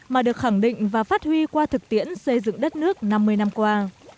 mà được khẳng định và phát huy qua thực tiễn xây dựng đất nước năm mươi năm qua